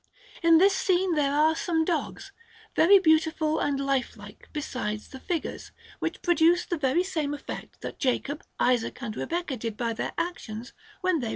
In this scene there are some dogs, very beautiful and lifelike, besides the figures, which produce the very same effect that Jacob, Isaac, and Rebecca did by their actions when they were alive.